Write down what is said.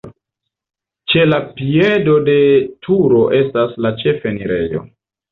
Ĉe la piedo de la turo estas la ĉefenirejo.